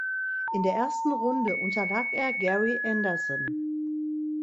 In der ersten Runde unterlag er Gary Anderson.